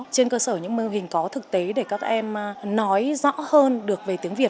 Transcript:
trên cơ sở những mô hình có thực tế để các em nói rõ hơn được về tiếng việt